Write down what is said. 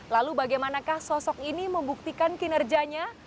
lalu bagaimanakah sosok ini membuktikan kinerjanya